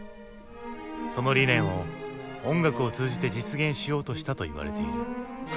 その理念を音楽を通じて実現しようとしたといわれている。